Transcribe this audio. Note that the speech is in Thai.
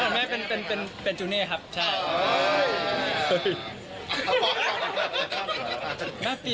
แม่เป็นจูเน่ครับใช่